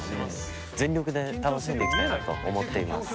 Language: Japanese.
全力で楽しんで行きたいなと思っています。